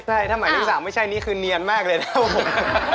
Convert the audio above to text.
ใช่ถ้าหมายที่๓ไม่ใช่นี้คือเนียนมากเลยนะครับผม